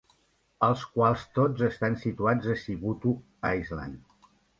Els quals tots estan situats a Sibutu Island.